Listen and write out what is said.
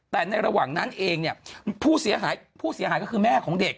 แต่ในระหว่างนั้นเองเนี่ยผู้เสียหายก็คือแม่ของเด็ก